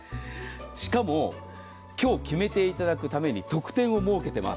しかも今日決めていただくために特典を設けています。